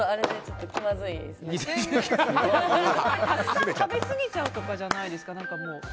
たくさん食べすぎちゃうとかじゃないですか？